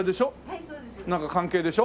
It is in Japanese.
なんか関係でしょ？